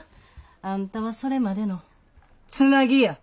あんたはそれまでのつなぎや。